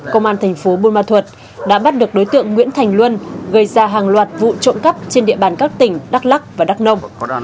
công an tp bùn ban thuật đã bắt được đối tượng nguyễn thành luân gây ra hàng loạt vụ trộm cấp trên địa bàn các tỉnh đắk lắc và đắk nông